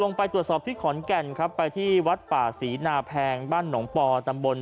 ไปตรวจสอบที่ขอนแก่นครับไปที่วัดป่าศรีนาแพงบ้านหนองปอตำบล